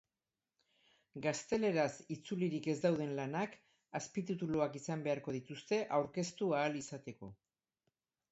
Gazteleraz itzulirik ez dauden lanak azpitituluak izan beharko dituzte aurkeztu ahal izateko.